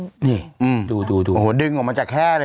นี่ดูดึงออกมาจากแค่เลยนะฮะ